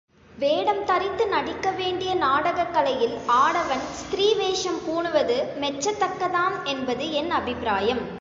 வேடம் தரித்து நடிக்க வேண்டிய நாடகக் கலையில், ஆடவன் ஸ்திரீ வேஷம் பூணுவது மெச்சத்தக்கதாம் என்பது என் அபிப்பிராயம்.